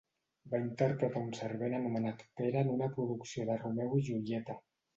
Va interpretar un servent anomenat Pere en una producció de "Romeu i Julieta".